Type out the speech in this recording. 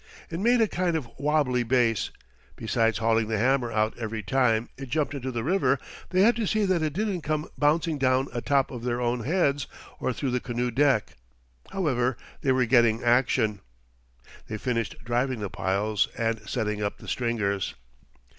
It made a kind of a wabbly base; besides hauling the hammer out every time it jumped into the river, they had to see that it didn't come bouncing down atop of their own heads or through the canoe deck. However, they were getting action. They finished driving the piles and setting up the stringers.